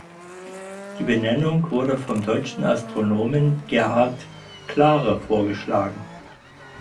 Die Benennung wurde vom deutschen Astronomen Gerhard Klare vorgeschlagen.